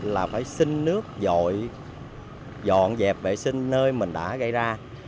là phải sinh nước dội dọn dẹp vệ sinh nơi mình đã gây ra